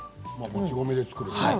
もち米で作るの？